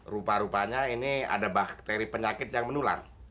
rupa rupanya ini ada bakteri penyakit yang menular